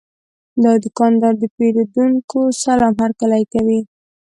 دا دوکاندار د پیرودونکو سلام هرکلی کوي.